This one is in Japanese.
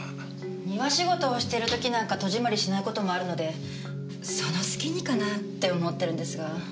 庭仕事をしてる時なんか戸締まりしない事もあるのでその隙にかなって思ってるんですが。